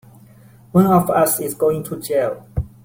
One of us is going to jail!